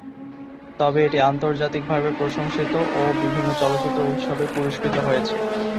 তবে এটি আন্তর্জাতিকভাবে প্রশংসিত ও বিভিন্ন চলচ্চিত্র উৎসবে পুরস্কৃত হয়েছে।